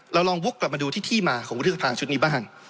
เราลองวกกลับมาดูที่ที่มาของวุฒิสภาชุดนี้บ้าง